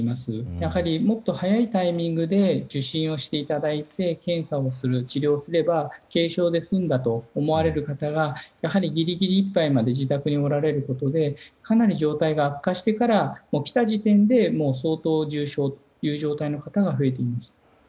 やはりもっと早いタイミングで受診していただいて検査をする、治療すれば軽症で済んだと思われる方がやはりギリギリいっぱいまで自宅におられることでかなり状態が悪化してから来た時点で相当、重症という状態の方が増えています。